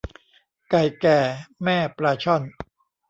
ไก่แก่แม่ปลาช่อน